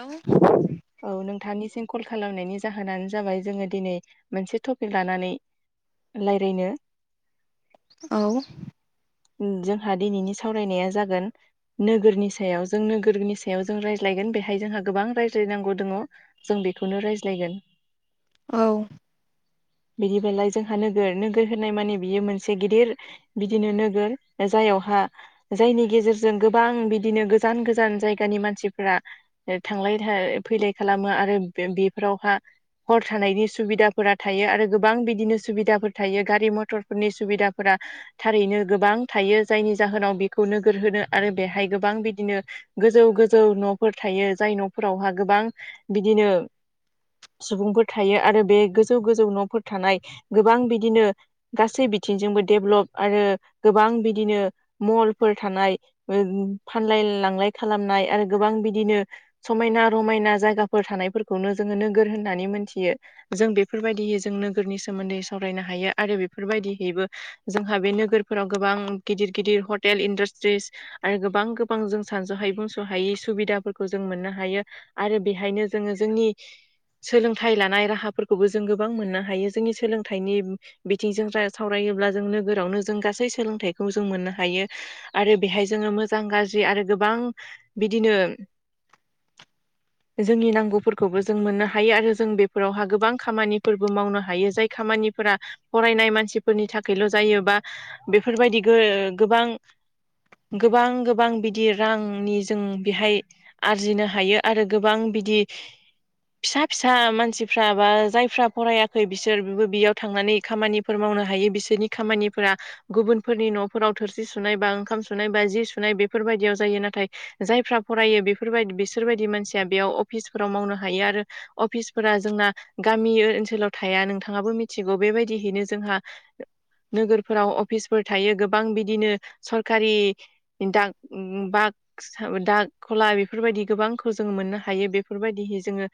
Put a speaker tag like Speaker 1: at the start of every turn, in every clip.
Speaker 1: औ।
Speaker 2: औ नोंथांनिसिम कल खालामनायनि जाहोनानो जाबाय जोङो दिनै मोनसे टपिक लानानै रायलायनो
Speaker 1: औ।
Speaker 2: जोंहा दिनैनि सावरायनाया जागोन नोगोरनि सायाव जों नोगोरनि सायाव जों रायज्लायगोन बेहाय जोंहा गोबां रायज्लायनांगौ दङ। जों बेखौनो रायज्लायगोन।
Speaker 1: औ।
Speaker 2: बिदिबालाय जोंहा नोगोर नोगोर होनाय माने बियो मोनसे गिदिर बिदिनो नोगोर गोर जायावहा जायनि गेजेरजों गोबां बिदिनो गोजान गोजान जायगानि मानसिफ्रा थांलाय फैलाय खालामो आरो बेफोरावहा हर थानायनि सुबिदाफोरा थायो आरो गोबां बिदिनो सुबिदाफोर थायो गारि मथरफोरनि सुबिदाफोरा थारैनो गोबां थायो। जायनि जाहोनाव बेखौ नोगोर होनो आरो बेहाय गोबां बिदिनो गोजौ गोजौ न'फोर थायो जाय न'फोरावहा गोबां बिदिनो सुबुंफोर थायो आरो बे गोजौ गोजौ न'फोर थानाय गोबां बिदिनो गासै बिथिंजोंबो डेभलप आरो गोबां बिदिनो मलफोर थानाय ओम फानलाय लांलाय खालामनाय आरो गोबां बिदिनो समायना रमायना जायगाफोर थानायफोरखौनो जोङो नोगोर होननानै मोनथियो। जों बेफोरबायदि जोंनो गोरनि सोमोन्दै सावरायनो हायो आरो बेफोरबायदिहैबो जोंहा बे नोगोर फोराव गोबां गिदिर गिदिर हटेल इणडास्ट्रिस आरो गोबां गोबां जों सानस'हायै बुंस'हायै सुबिदाफोरखौ जों मोननो हायो। आरो बेहायनो जोङो जोंनि सोलोंथाइ लानाय राहाफोरखौ खौबो जों गोबां मोननो हायो। जोंनि सोलोंथाइनि बिथिंजों सावरायोब्ला जों नोगोरावनो जों गासै सोलोंथाइखौ जों मोननो हायो आरो बेहाय जोङो मोजां गाज्रि आरो गोबां बिदिनो जोंनि नांगौफोरखौबो जों मोननो हायो आरो जों बेफोरावहा गोबां खामानिफोरबो मावनो हायो जाय खामानिफोरा फरायनाय मानसिफोरनि थाखायल' जायो बा बेफोरबायदि गो-गोबां गोबां गोबां बिदि रांनि जों बेहाय आरजिनो हायो आरो गोबां बिदि फिसा फिसा मानसि फ्रा बा जायफ्रा फरायाखै बिसोरबो बेयाव थांनानै खामानिफोर मावनो हायो बिसोरनि खामानि फोर गुबुनफोरनि न'फोराव थोरसि सुनाय बा ओंखाम सुनाय बा जि सुनाय बेफोरबायदियाव जायो नाथाय जायफ्रा फरायो बेफोरबायदि बिसोरबायदि मानसिया बेयाव अफिसफोराव मावनो हायो आरो अफिसफोरा जोंना गामि ओनसोलाव थाया नोंथाङाबो मिथिगौ बेबायदिहैनो जोंहा नोगोरफोराव अफिसफोर थायो गोबां बिदिनो सरकारि दाग बाग दाग खला बेफोरबायदि गोबांखौ जोंङो मोननो हायो बेफोरबायदिहै जोंङो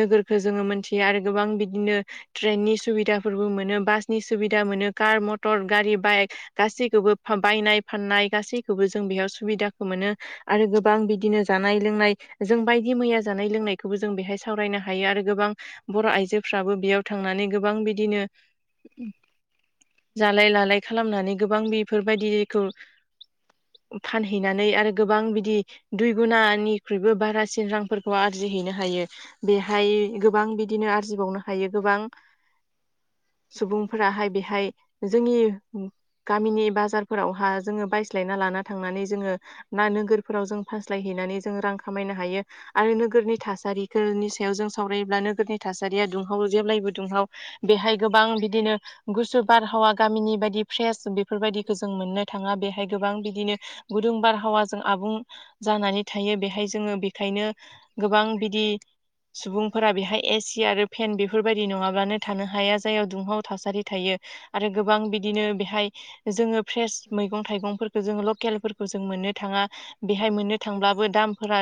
Speaker 2: नोगोरखो जोंङो मोनथियो आरो गोबां बिदिनो ट्रेननि सुबिदा फोरबो मोनो बासनि सुबिदा मोनो कार म टर गारि बाइक गासैखौबो बायनाय फाननाय गासैखौबो जों बेयाव सुबिदाखौ मोनो। आरो गोबां बिदिनो जानाय लोंनाय जों बायदि मैया जानाय लोंनायखौबो जों बेहाय सावरायनो हायो आरो गोबां बर' आइजोफ्राबो बेयाव थांनानै गोबां बिदिनो जालाय लालाय खालामनानै गोबां बेफोर बायदिखौ फानहैनानै आरो गोबां बिदि दुइ गुनानिख्रुइबो बारासिन रांफोरखौ आरजि हैनो हायो। बेहाय गोबां बिदिनो आरजिबावनो हायो गोबां सुबुंफोरा हाय बेहाय जोंनि गामिनि बाजारफोरावहा जोंङो बायस्लायना लाना थांनानै जोंङो ना नोगोरफोराव जों फास्लायहैनानै जों रां खामायनो हायो। आरो नोगोरनि थासारिफोरनि सायाव जों सावरायोब्ला नोगोरनि थासारिया दुंहाव जेब्लायबो दुंहाव बेहाय गोबां बिदिनो गुसु बार आबहावा गामिनि बायदि फ्रेस बेफोरबायदिखौ जों मोननो थांङा बेहाय गोबां बिदिनो गुदुं बारहावाजों आबुं जानानै थायो बेहाय जोंङो बेखायनो गोबां बिदि सुबुंफोरा बेहाय ए सि आरो फेन बेफोरबायदि नङाब्लानो थानो हाया जायाव दुंहाव थासारि थायो। आरो गोबां बिदिनो बेहाय जोङो फ्रेस मैगं थाइगंफोरखौ जोंङो लकेलफोरखौ जों मोननो थांङा बेहाय मोननो थांब्लाबो दामफोरा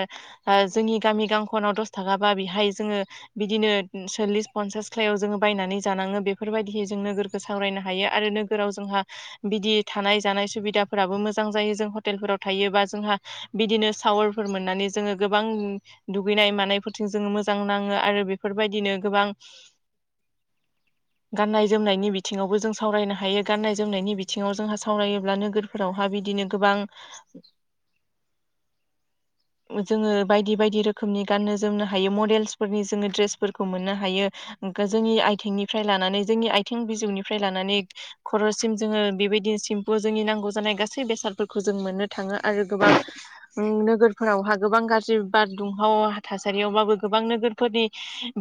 Speaker 2: आ जोंनि गामि गांखनाव दस थाखाबा बेहाय जोंङो बिदिनो सल्लिस पन्सास खालायाव जोंङो बायनानै जानाङो बेफोरबायदियै जों नोगोरखौ सावरायनो हायो आरो नोगोराव जोंहा बिदि थानाय जानाय सुबिदाफोराबो मोजां जायो जों हटेलफोराव थायोबा जोंहा बिदिनो सावारफोर मोननानै जोंङो गोबां दुगैनाय मानायफोरजों जोंङो मोजां नांङो आरो बेफोरबायदिनो गोबां गाननाय जोमनायनि बि थिङावबो जों सावरायनो हायो गाननाय जोमनायनि बिथिङाव जोंहा सावरायोब्ला नोगोरफोरावहा बिदिनो गोबां जोङो बायदि बायदि रोखोमनि गाननो जोमनो हायो मडेल्सफोरनि जोङो ड्रेसफोरखौ मोननो हायो। जोंनि आथिंनिफ्राय लानानै जोंनि आथिं बिजौनिफ्राय लानानै खर'सिम जोङो बेबायदिनो सेम्पु जोंनि नांगौ जानाय गासै बेसादफोरखौ जों मोननो थांङो आरो गोबां नोगोरफोरावहा गोबां गाज्रि बार दुंहाव थासारियावबाबो गोबां नोगोरफोरनि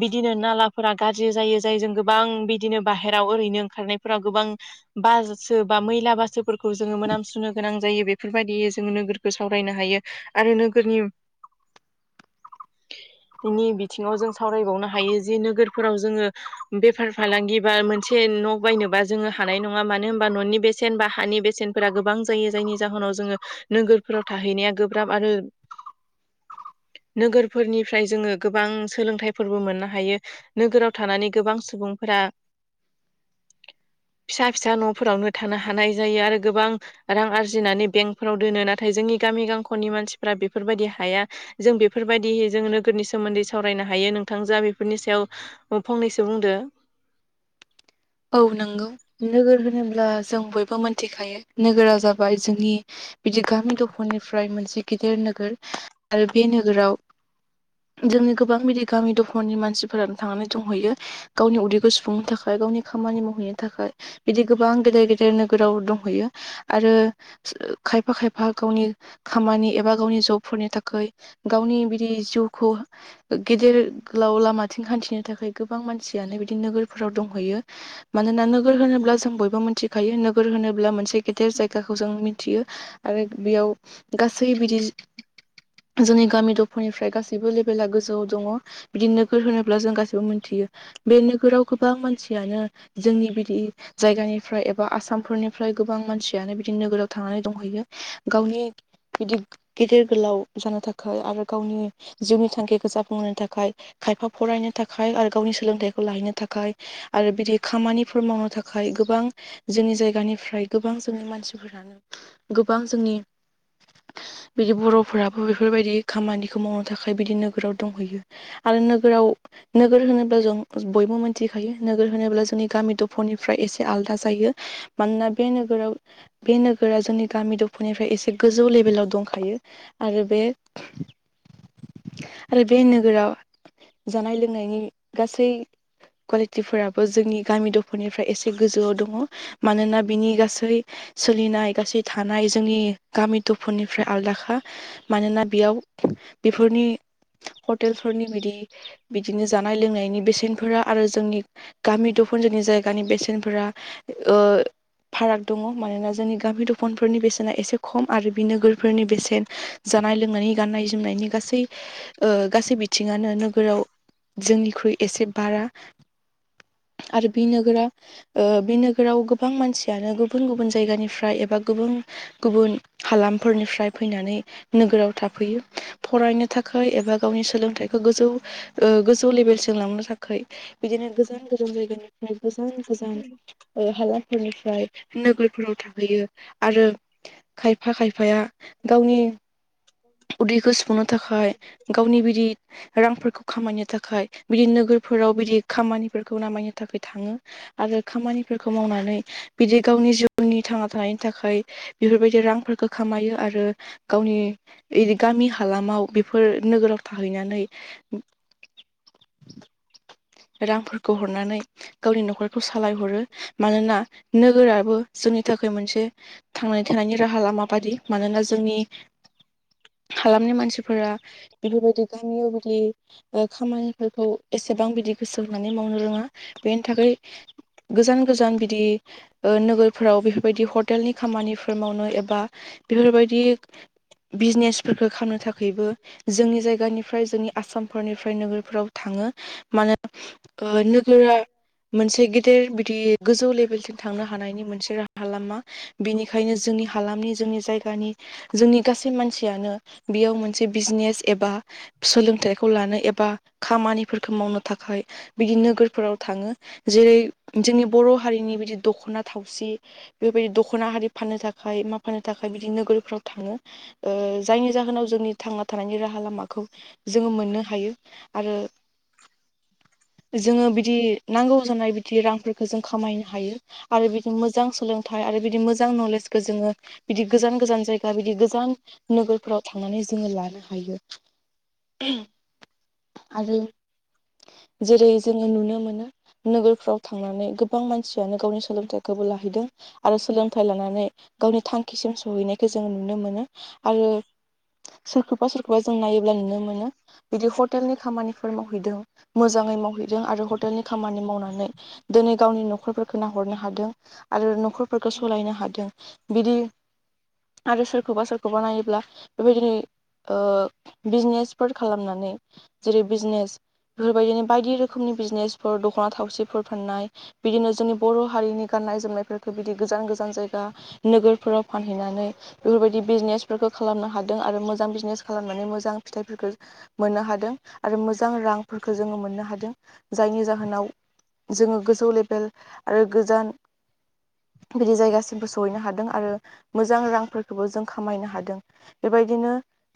Speaker 2: बिदिनो नालाफोरा गाज्रि जायो जाय जों गोबां बिदिनो बाहेराव ओरैनो थांनायफोराव गोबां बाजुतसो बा मैला बासोफोरखौ जोङो मोनामसुनो गोनां जायो बेफोरबायदियै जोङो नोगोरखौ सावरायनो हायो आरो नोगोरनि नि बिथिङाव जों सावरायबावनो हायो जि नोगोरफोराव जोङो बेफार फालांगि बा मोनसे न' बायनोबा जोङो हानाय नङा मानो होनबा न'नि बेसेन बा हानि बेसेनफोरा गोबां जायो जायनि जाहोनाव जो नोगोरफोराव थाहैनाया गोब्राब आरो नोगोरफोरनिफ्राय जोङो गोबां सोलोंथाइफोरबो मोननो हायो। नोगोराव थानानै गोबां सुबुंफोरा फिसा फिसा न'फोरावनो थानो हानाय जायो आरो गोबां रां आरजिनानै बेंकफोराव दोनो नाथाय जोंनि गामि गांखनि मानसिफ्रा बेफोरबायदि हाया जों बेफोरबायदिहै जों नोगोरनि सोमोन्दै सावरायनो हायो नोंथां जा बेफोरनि सायाव फंनैसो बुंदो
Speaker 1: औ नंगौ नोगोर होनोब्ला जों बयबो मिथिखायो नोगोरा जाबाय जोंनि बिदि गामि दफानिफ्राय मोनसे गेदिर नोगोर आरो बे नोगोराव जोंनि गोबां बिदि गामि दफानि मानसिफोरानो थांनानै दंहैयो गावनि उदैखौ सुफुंनो थाखाय गावनि खामानि मावहैनो थाखाय बिदि गोबां गेदेर गेदेर नोगोराव दंहैयो आरो खायफा खायफा गावनि खामानि एबा गावनि जबफोरनि थाखाय गावनि बिदि जिउखौ गेदेर गोलाव लामाथिं हान्थिनो थाखाय गोबां मानसियानो बिदि नोगोरफोराव दंहैयो मानोना नोगोर होनोब्ला जों बयबो मिथिखायो नोगोर होनोब्ला मोनसे गेदेर जायगाखौ जों मिथियो आरो बेयाव गासै बिदि जोंनि गामि दफीनिफ्राय गासैबो लेभेला गोजौआव दङ बिदि नोगोर होनोब्ला जों गासिबो मोनथियो बे नोगोराव गोबां मानसि यानो जोंनि बिदि जायगानिफ्राय एबा आसामफोरनिफ्राय गोबां मानसियानो बिदिनो नोगोराव थांनानै दंहैयो गावनि बिदि गेदेर गोलाव जानो थाखाय आरो गावनि जिउनि थांखिखौ जाफुंहोनो थाखाय खायफा फरायनो थाखाय आरो गावनि सोलोंथाइखौ लाहैनो थाखाय आरो बिदि खामानिफोर मावनो थाखाय गोबां जोंनि जायगानिफ्राय गोबां जोंनि मानसिफोरानो गोबां जोंनि बिदि बर'फोराबो बेफोरबायदि खामानिखौ मावनो थाखाय बिदि नोगोराव दंहैयो आरो नोगोराव नोगोर होनोब्ला जों बयबो मिथिखायो नोगोर होनोब्ला जोंनि गामि दफानिफ्राय एसे आलादा जायो मानोना बे नोगोराव बे नोगोरा जोंनि गामि दफानिफ्राय एसे गोजौ लेभेलाव दंखायो आरो बे आरो बे नोगोराव जानाय लोंनायनि गासै फोराबो जोंनि गामि दफा फोरनिफ्राय एसे गोजौआव दङ मानोना बिनि गासै सोलिनाय गासै थानाय जोंनि गामि दफानिफ्राय आलादाखा मानोना बेयाव बेफोरनि हटेलफोरनि बिदि बिदिनो जानाय लोंनायनि बेसेनफोरा आरो जोंनि गामि दखुनजोनि जायगानि बेसेनफोरा ओ फाराग दङ मानोना जोंनि गामि दफानफोरनि बेसेना एसे खम आरो बि नोगोरफोरनि बेसेन जानाय लोंनायनि गाननाय जोमनायनि गासै ओ गासै बिथिङानो नोगोराव जोंनिख्रुइ एसे बारा आरो बे नोगोरा ओ बे नोगोराव गोबां मानसियानो गुबुन गुबुन जायगानिफ्राय एबा गुबुन गुबुन हालामफोरनिफ्राय फैनानै नोगोराव थाफैयो फरायनो थाखाय एबा गावनि सोलोंथाइखौ गोजौ ओ गोजौ जौ लेभेलसिम लांनो थाखाय बिदिनो गोजान गोजान जायगानिफ्राय गोजान गोजान हालामफोरनिफ्राय नोगोरफोराव थाहैयो आरो खायफा खायफाया गावनि उदैखौ सुफुंनो थाखाय गावनि बिदि रांफोरखौ खामायनो थाखाय बिदि नोगोरफोराव बिदि खामानिफोरखौ नामायनो थाखाय थाङो। आरो खामानिफोरखौ मावनानै बिदि गावनि जिउनि थांना थानायनि थाखाय बेफोरबायदि रांफोरखौ खामायो आरो गावनि इदि गामि हालामाव बेफोर नोगोराव थाहैनानै रांफोरखौ हरनानै गावनि न'खरखौ सालायहरो मानोना नोगोराबो जोंनि थाखाय मोनसे थांनानै थानायनि राहा लामा बायि मानोना जोंनि हालामनि मानसिफोरा बेफोरबायदि गामियाव बिदि खामानिफोरखौ एसेबां बिदि गोसो होनानै मावनो रोङा बेनि थाखाय गोजान गोजान बिदि नोगोरफोराव बेफोरबायदि हटेलनि खामानिफोर मावनो एबा बेफोरबायदि बिजनेसफोरखौ खालामनो थाखायबो जोंनि जायगानिफ्राय जोंनि आसामफोरनिफ्राय नोगोरफोराव थाङो मानो नोगोरा मोनसे गेदेर बिदि गोजौ लेभेलथिं थांनो हानायनि मोनसे राहा लामा बेनिखायनो जोंनि हालामनि जोंनि जायगानि जोंनि गासै मानसियानो बेयाव मोनसे बिजनेस एबा सोलोंथाइखौ लानो एबा खामानिफोरखौ मावनो थाखाय बिदि नोगोरफोराव थाङो। जेरै जोंनि बर' हारिनि बिदि दख'ना थावसि बेफोरबायदि दख'ना हारि फाननो थाखाय मा फाननो थाखाय बिदि नोगोरफ्राव थाङो। जायनि जाहोनाव जोंनि थांना थानायनि राहा लामाखौ जोङो मोननो हायो आरो जोङो बिदि नांगौ जानाय बिदि रांफोरखौ जों खामायनो हायो। आरो बिदि मोजां सोलोंथाइ आरो बिदि मोजां नलेजखौ जोङो बिदि गोजान गोजान जायगा बिदि गोजान नोगोरफ्राव थांनानै जोङो लानो हायो आरो जेरै जोङो नुनो मोनो नोगोरफ्राव थां नानै गोबां मानसियानो गावनि सोलोंथाइखौबो लाहैदों। आरो सोलोंथाइ लानानै गावनि थांखिसिम सहैनायखौ जोंङो नुनो मोनो आरो सोरखौबा सोरखौबा जों नायोब्ला नुनो मोनो बिदि हटेलनि खामानिफोर मावहैदों। मोजाङै मावहैदों आरो हटेलनि खामानि मावनानै दिनै गावनि न'खरफोरखौ नाहरनो हादों। आरो न'खरफोरखौ सालायनो हादों बिदि आरो सोरखौबा सोरखौबा नायोब्ला बेबायदिनो बिजनेसफोर खालामनानै जेरै बिजनेस बेफोरबायदिनो बायदि रोख खोमनि बिजनेसफोर दख'ना थावसिफोर फाननाय बिदिनो जोंनि बर' हारिनि गाननाय जोमनायफोरखौ बिदि गोजान गोजान जायगा नोगोरफोराव फानहैनानै बेफोरबायदि बिजनेस फोरफोरखौ खालामनो हादों आरो मोजां बिजनेस खालामनानै मोजां फिथाइफोरखौ मोननो हादों आरो मोजां रांफोरखौ जोङो मोननो हादों जायनि जाहोनाव जोङो गोजौ लेभेल आरो गोजान बिदि जायगासिमबो सहैनो हादों आरो मोजां रांफोरखौबो जों खामायनो हादों। बेबायदिनो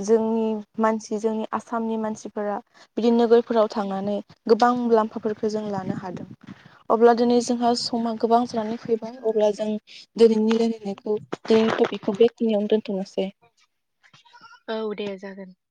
Speaker 1: जोंनि मानसि जोंनि आसामनि मानसिफोरा बिदि नोगोर फोराव थांनानै गोबां मुलाम्फाफोरखौ जों लानो हादों। अब्ला दिनै जोंहा समा गोबां जानानै फैबाय अब्ला जों दिनैनि रायलायनायखौ दिनैनि टपिकखौ बेखिनियावनो दोनथ'नोसै।
Speaker 2: औ दे जागोन।